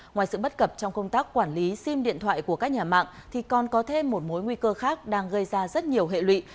ngoài sự bất cập trong công tác quản lý sim điện thoại của các nhà mạng thì còn có thêm một mối nguy cơ khác đang gây ra rất nhiều hệ lụy